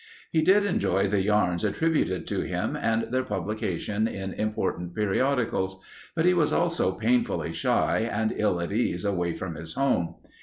He did enjoy the yarns attributed to him and their publication in important periodicals. But he was also painfully shy and ill at ease away from his home.